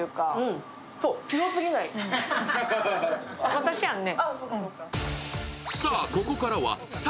私やんね。